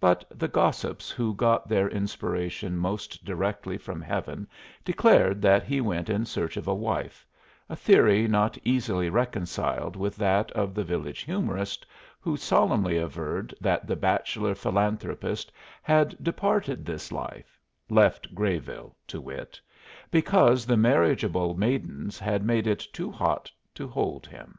But the gossips who got their inspiration most directly from Heaven declared that he went in search of a wife a theory not easily reconciled with that of the village humorist, who solemnly averred that the bachelor philanthropist had departed this life (left Grayville, to wit) because the marriageable maidens had made it too hot to hold him.